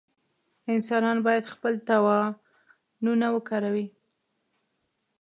انسانان باید خپل توانونه وکاروي.